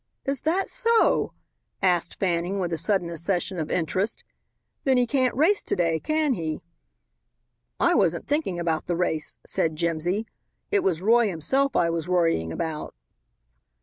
"Is that so?" asked Fanning with a sudden accession of interest; "then he can't race to day, can he?" "I wasn't thinking about the race," said Jimsy; "it was Roy himself I was worrying about."